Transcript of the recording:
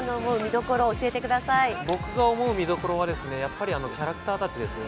僕が思う見どころはキャラクターたちですね。